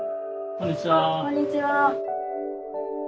こんにちは。